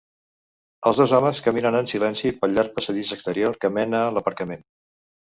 Els dos homes caminen en silenci pel llarg passadís exterior que mena a l'aparcament.